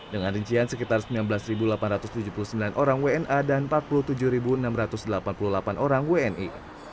dengan rincian sekitar sembilan belas delapan ratus tujuh puluh sembilan orang wna dan empat puluh tujuh enam ratus delapan puluh delapan orang wni